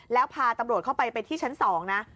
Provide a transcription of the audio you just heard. แล้วพาตำรวจเข้าไปไปที่ชั้น๒นะ